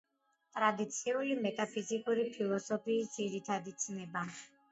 ტრადიციული მეტაფიზიკური ფილოსოფიის ძირითადი ცნება.